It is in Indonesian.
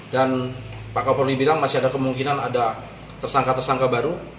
dan pak kapolri bilang masih ada kemungkinan ada tersangka tersangka baru